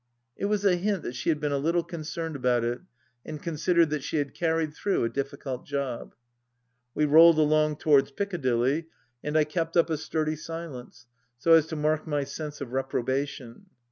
It was a hint that she had been a little concerned about it, and considered she had carried through a difficult job. We rolled along towards Piccadilly and I kept up a sturdy silence, so as to mark my sense of reprobation.